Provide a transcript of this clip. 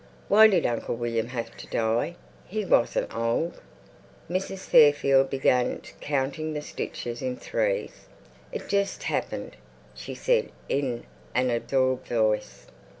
"Why did Uncle William have to die? He wasn't old." Mrs. Fairfield began counting the stitches in threes. "It just happened," she said in an absorbed voice.